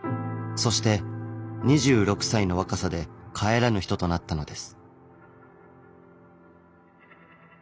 そして２６歳の若さで帰らぬ人となったのです。